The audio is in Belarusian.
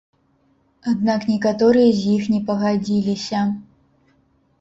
Аднак некаторыя з іх не пагадзіліся.